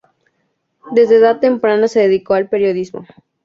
Desde edad temprana se dedicó al periodismo.